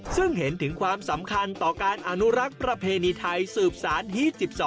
ซึ่งเห็นถึงความสำคัญต่อการอนุรักษ์ประเพณีไทยสืบสารฮี๑๒